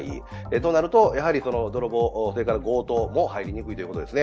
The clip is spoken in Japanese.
となると泥棒、強盗も入りにくいということですね。